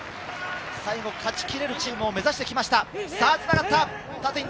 最後、勝ち切れるチームを目指してきました。